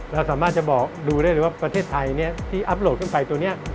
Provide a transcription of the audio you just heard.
เราสามารถจะบอกดูได้เลยว่าประเทศไทยที่อัพโหลดขึ้นไปตัวนี้